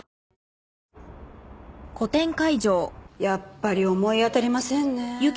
やっぱり思い当たりませんねぇ。